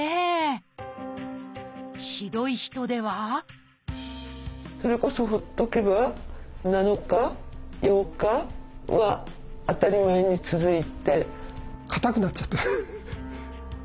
ひどい人ではそれこそほっとけば７日８日は当たり前に続いて。